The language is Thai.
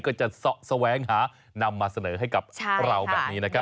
ก็จะแสวงหานำมาเสนอให้กับเราแบบนี้นะครับ